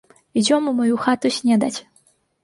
Ідзём у маю хату снедаць!